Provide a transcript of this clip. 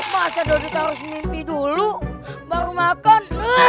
masa dulu harus mimpi dulu baru makan